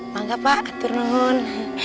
makanya pak atur nuhun